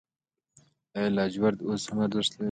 آیا لاجورد اوس هم ارزښت لري؟